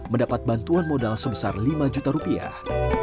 mendapat bantuan modal sebesar lima juta rupiah